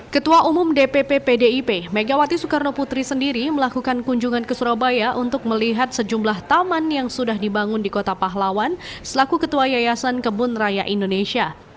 ketua umum dpp pdip megawati soekarno putri sendiri melakukan kunjungan ke surabaya untuk melihat sejumlah taman yang sudah dibangun di kota pahlawan selaku ketua yayasan kebun raya indonesia